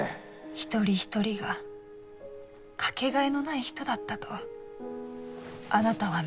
一人一人が掛けがえのない人だったとあなたは見てた。